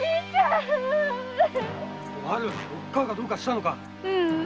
おっ母がどうかしたのか！